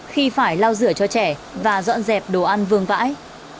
khi phải lau rửa cho trẻ và dọn dẹp đồ ăn vương vãi